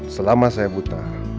selama saya buta